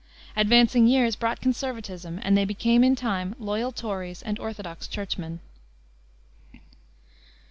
Advancing years brought conservatism, and they became in time loyal Tories and orthodox Churchmen.